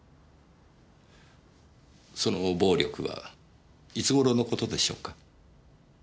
その暴力はいつ頃の事でしょうか？